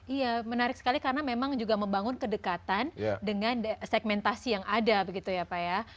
iya menarik sekali karena memang juga membangun kedekatan dengan segmentasi yang ada begitu ya pak ya